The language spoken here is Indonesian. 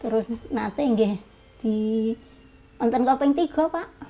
terus nanti saya akan berhenti di kota yang ketiga